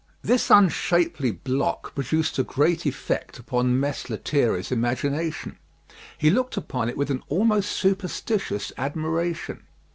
This unshapely block produced a great effect upon Mess Lethierry's imagination. He looked upon it with an almost superstitious admiration.